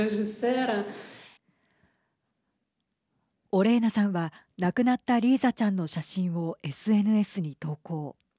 オレーナさんは亡くなったリーザちゃんの写真をＳＮＳに投稿。